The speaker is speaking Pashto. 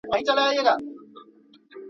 ستاسو فکرونه ستاسو نړۍ جوړوي.